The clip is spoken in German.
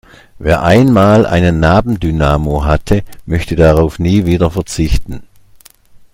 Wer einmal einen Nabendynamo hatte, möchte darauf nie wieder verzichten.